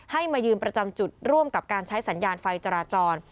มายืนประจำจุดร่วมกับการใช้สัญญาณไฟจราจร